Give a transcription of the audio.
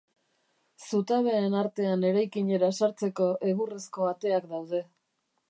Zutabeen artean eraikinera sartzeko egurrezko ateak daude.